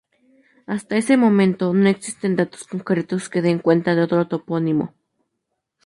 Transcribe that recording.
Hasta ese momento, no existen datos concretos que den cuenta de otro topónimo.